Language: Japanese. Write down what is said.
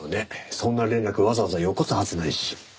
そんな連絡わざわざよこすはずないし。